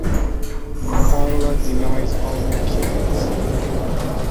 Karla denies all the killings.